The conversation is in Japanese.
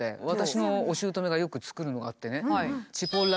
私のお姑がよく作るのがあってね。